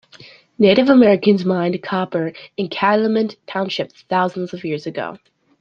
Native Americans mined copper in Calumet Township thousands of years ago.